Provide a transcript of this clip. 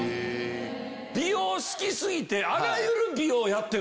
美容好き過ぎて。